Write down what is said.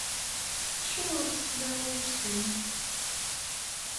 Acuɣer ur tsetteḍ ara aksum?